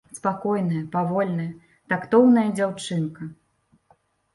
Спакойная, павольная, тактоўная дзяўчынка.